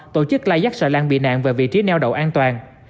tổ chức lai giác xà lan bị nạn về vị trí neo đậu an toàn